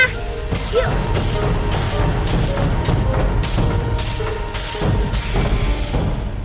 kita harus tolong keatna